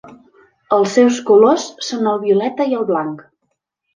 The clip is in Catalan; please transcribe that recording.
Els seus colors són el violeta i blanc.